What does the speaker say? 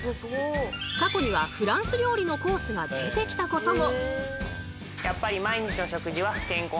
過去にはフランス料理のコースが出てきたことも！